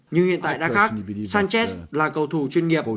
nhưng hiện tại đã khác sanchez là cầu thủ chuyên nghiệp